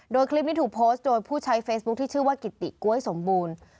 โดยคลิปนี้ถูกโพสต์โดยผู้ใช้เฟซบุ๊คที่ชื่อว่ากิติก๊วยสมบูรณ์